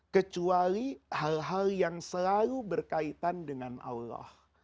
kecuali hal hal yang selalu berkaitan dengan allah